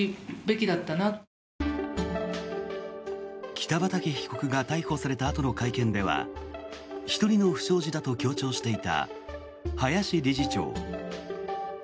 北畠被告が逮捕されたあとの会見では１人の不祥事だと強調していた林理事長。